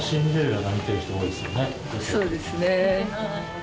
そうですね。